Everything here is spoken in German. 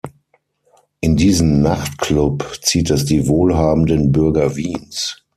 In diesen Nachtklub zieht es die wohlhabenden Bürger Wiens.